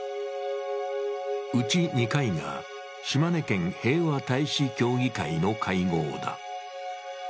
うち２回が島根県平和大使協議会の会合だ。